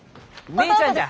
姉ちゃんじゃ！